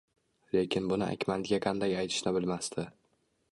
Lekin buni Akmalga qanday aytishni bilmasdi